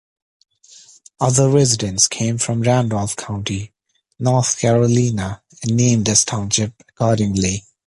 Other residents came from Randolph County, North Carolina, and named this township accordingly.